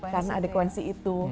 karena ada koansi itu